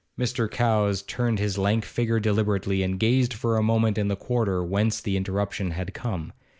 Mr. Cowes turned his lank figure deliberately, and gazed for a moment in the quarter whence the interruption had come.